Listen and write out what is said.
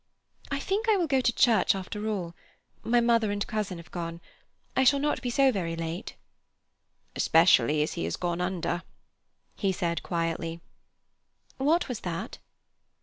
I think I will go to church, after all. My mother and my cousin have gone. I shall not be so very late—" "Especially as he has gone under," he said quietly. "What was that?"